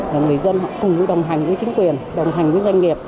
và người dân họ cùng đồng hành với chính quyền đồng hành với doanh nghiệp